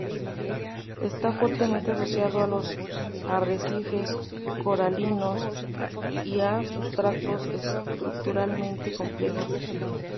Está fuertemente asociado a los arrecifes coralinos y a sustratos estructuralmente complejos.